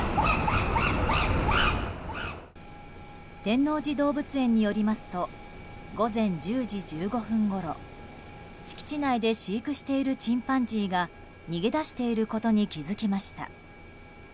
天王寺動物園によりますと午前１０時１５分ごろ敷地内で飼育しているチンパンジーが逃げ出していることに気づきました。